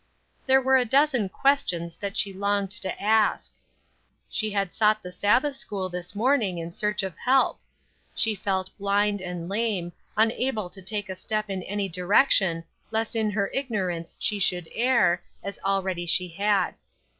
There were a dozen questions that she longed to ask. She had sought the Sabbath school this morning in search of help. She felt blind and lame, unable to take a step in any direction lest in her ignorance she should err, as already she had.